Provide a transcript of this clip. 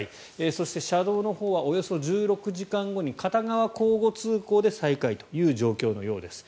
そして車道のほうはおよそ１６時間後に片側交互通行で再開という状況のようです。